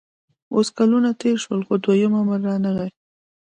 اوس کلونه تېر شول خو دویم امر رانغی